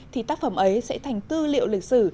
thì tác phẩm ấy sẽ thành tư liệu lịch sử